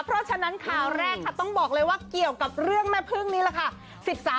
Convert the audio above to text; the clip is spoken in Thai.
เพราะฉะนั้นข่าวแรกค่ะต้องบอกเลยว่าเกี่ยวกับเรื่องแม่พึ่งนี่แหละค่ะ